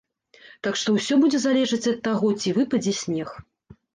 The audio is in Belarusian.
Так што ўсё будзе залежаць ад таго ці выпадзе снег.